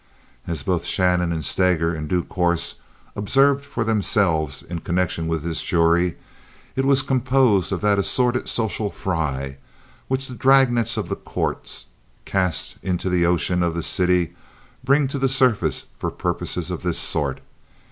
As both Shannon and Steger in due course observed for themselves in connection with this jury, it was composed of that assorted social fry which the dragnets of the courts, cast into the ocean of the city, bring to the surface for purposes of this sort.